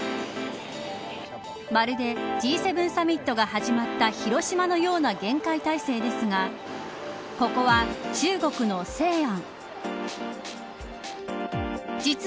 まるで、Ｇ７サミットが始まった広島のような厳戒態勢ですがここは中国の西安。